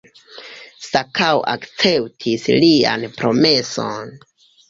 Sakao akceptis lian promeson.